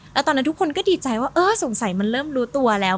แล้วตอนนั้นทุกคนก็ดีใจว่าเออสงสัยมันเริ่มรู้ตัวแล้ว